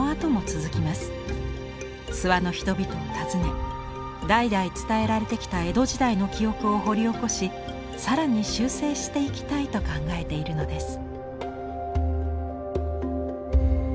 諏訪の人々を訪ね代々伝えられてきた江戸時代の記憶を掘り起こし更に修正していきたいと考えているのです。